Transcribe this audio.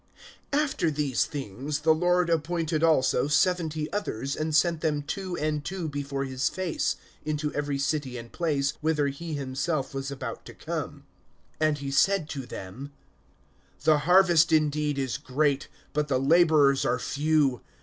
AFTER these things the Lord appointed also seventy others, and sent them two and two before his face, into every city and place, whither he himself was about to come. (2)And he said to them: The harvest indeed is great, but the laborers are few.